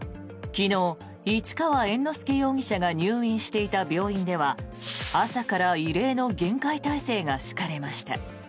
昨日、市川猿之助容疑者が入院していた病院では朝から異例の厳戒態勢が敷かれました。